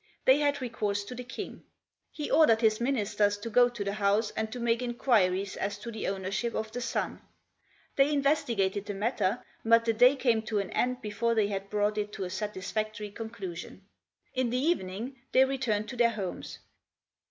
They had recourse to the King. He ordered his ministers to go to the house and to make inquiries as to the ownership of the son. They investi gated the matter, but the day came to an end before they had brought it to a satisfactory conclusion. In the evening they re turned to their homes.